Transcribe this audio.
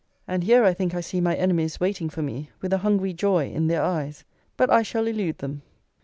And here I think I see my enemies waiting for me with a hungry joy in their eyes. But I shall elude them.